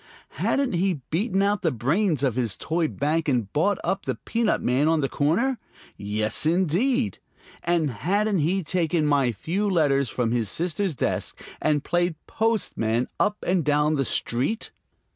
Hadn't he beaten out the brains of his toy bank and bought up the peanut man on the corner? Yes, indeed! And hadn't he taken my few letters from his sister's desk and played postman up and down the street?